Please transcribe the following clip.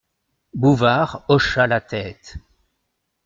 Bouvard hocha la tête.